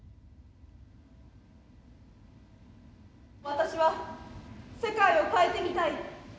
私は世界を変えてみたい。